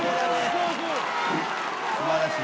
すばらしい。